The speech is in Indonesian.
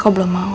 aku belum mau